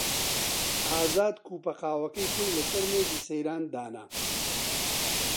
ئازاد کووپە قاوەکەی خۆی لەسەر مێزی سەیران دانا.